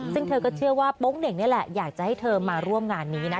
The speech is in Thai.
ซึ่งเธอก็เชื่อว่าโป๊งเหน่งนี่แหละอยากจะให้เธอมาร่วมงานนี้นะ